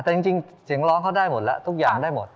แต่จริงเสียงร้องเขาได้หมดแล้วทุกอย่างได้หมด